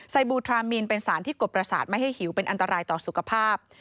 บูทรามีนเป็นสารที่กดประสาทไม่ให้หิวเป็นอันตรายต่อสุขภาพ